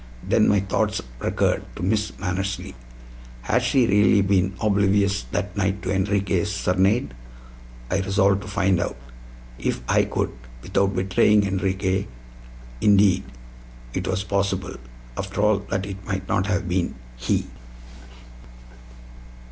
Then my thoughts recurred to Miss Mannersley. Had she really been oblivious that night to Enriquez' serenade? I resolved to find out, if I could, without betraying Enriquez. Indeed, it was possible, after all, that it might not have been he.